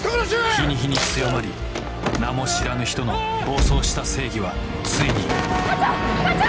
日に日に強まり名も知らぬ人の暴走した正義はついに課長！